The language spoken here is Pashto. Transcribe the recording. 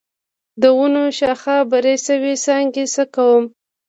د ونو شاخه بري شوي څانګې څه کړم؟